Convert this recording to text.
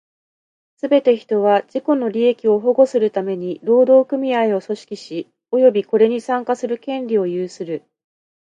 すべて人は、自己の利益を保護するために労働組合を組織し、及びこれに参加する権利を有する。